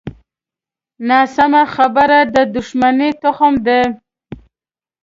ناسمه خبره د دوښمنۍ تخم دی